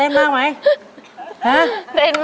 อีกครั้งเดี๋ยว